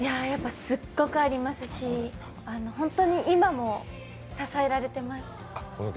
すっごくありますし本当に今も支えられています。